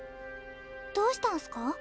どうしたんすか？